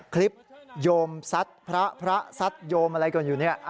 โยมซัดพระพระซัดโยมอะไรกันอยู่เนี่ย